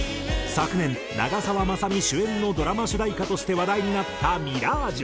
昨年長澤まさみ主演のドラマ主題歌として話題になった『Ｍｉｒａｇｅ』。